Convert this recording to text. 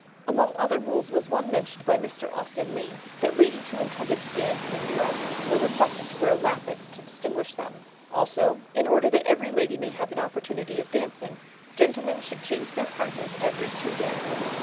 Among other rules was one mentioned by Mr. Austen Leigh, that ladies who intended to dance minuets were requested to wear lappets to distinguish them. Also, in order that every lady may have an opportunity of dancing, gentlemen should change their partners every two dances.